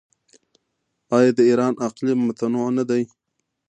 آیا د ایران اقلیم متنوع نه دی؟